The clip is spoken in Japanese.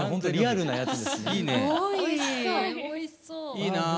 いいな。